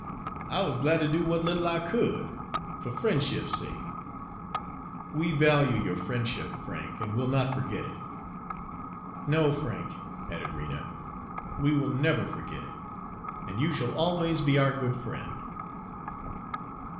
I wuz glad ter do w'at little I could, fer frien'ship's sake." "We value your friendship, Frank, and we'll not forget it." "No, Frank," added Rena, "we will never forget it, and you shall always be our good friend."